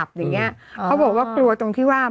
อย่างเงี้ยเขาบอกว่ากลัวตรงที่ว่า